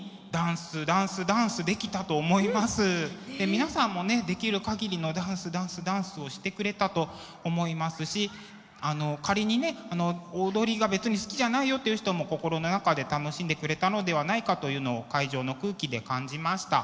皆さんもねできるかぎりの「ダンスダンスダンス」をしてくれたと思いますし仮にね踊りが別に好きじゃないよという人も心の中で楽しんでくれたのではないかというのを会場の空気で感じました。